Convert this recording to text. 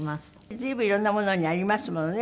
随分いろんなものにありますものね